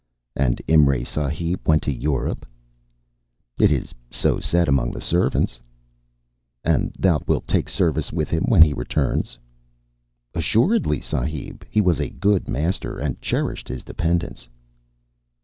"And Imray Sahib went to Europe?" "It is so said among the servants." "And thou wilt take service with him when he returns?" "Assuredly, sahib. He was a good master and cherished his dependents."